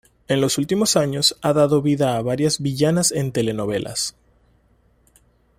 En los últimos años ha dado vida a varias villanas en telenovelas.